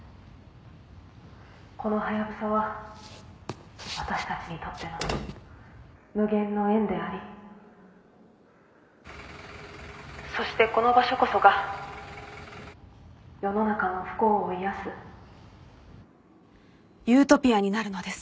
「このハヤブサは私たちにとっての無限の円でありそしてこの場所こそが世の中の不幸を癒やすユートピアになるのです」